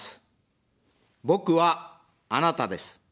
僕は、あなたです。